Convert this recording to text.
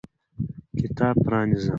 کتاب پرانیزه !